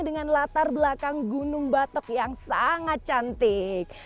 dengan latar belakang gunung batok yang sangat cantik